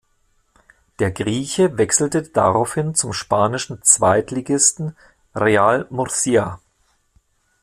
Der Grieche wechselte daraufhin zum spanischen Zweitligisten Real Murcia.